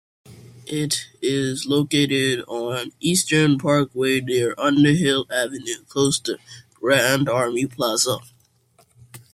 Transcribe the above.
It is located on Eastern Parkway near Underhill Avenue, close to Grand Army Plaza.